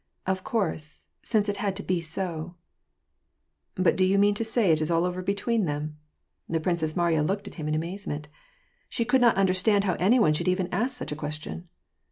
Of course, since it had to be so "—" But do you mean to say it is all over between them ?" The Princess Mariya looked at him in amazement. She could not understand how any one should even ask such a question.